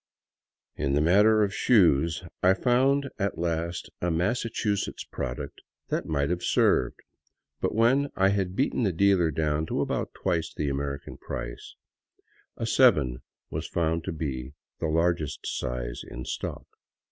In the matter of shoes, I found at last a Massachusetts product that might have served; but when I had beaten the dealer down to about twice the American price, a seven was found to be the largest size in stock.